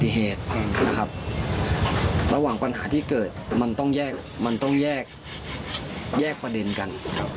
เหตุการณ์ที่เกิดมันต้องแยกประเด็นกัน